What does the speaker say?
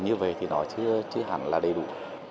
như vậy thì nó chưa hẳn là đầy đủ